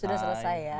sudah selesai ya